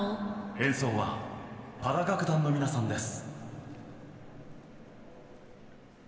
演奏はパラ楽団の皆さんです。